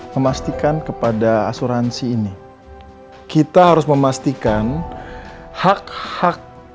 memastikan kepada asuransi ini kita harus memastikan hak hak